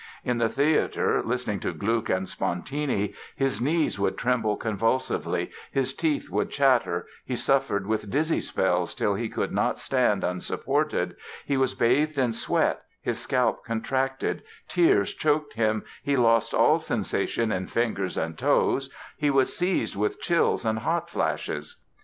In the theatre listening to Gluck and Spontini "his knees would tremble convulsively, his teeth chatter, he suffered with dizzy spells till he could not stand unsupported, he was bathed in sweat, his scalp contracted, tears choked him, he lost all sensation in fingers and toes, he was seized with chills and hot flashes...."